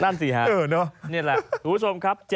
นั่นสิฮะนี่แหละคุณผู้ชมครับ